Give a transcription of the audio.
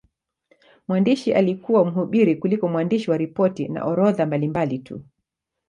Mwandishi alikuwa mhubiri kuliko mwandishi wa ripoti na orodha mbalimbali tu.